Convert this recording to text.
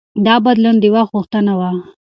دا بدلون د وخت غوښتنه وه.